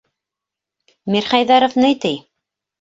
Мирхәйҙәров ни ти?